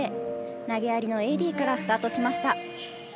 投げありのＡＤからスタートしました。